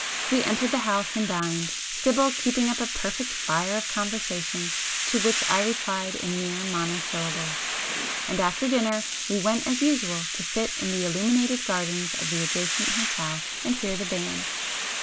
We entered the house, and dined,—Sibyl keeping up a perfect fire of conversation, to which I replied in mere monosyllables,—and after dinner we went as usual to sit in the illuminated gardens of the adjacent hotel, and hear the band.